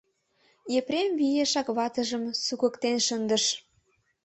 Епрем виешак ватыжым сукыктен шындыш.